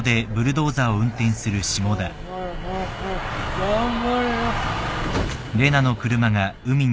頑張れよ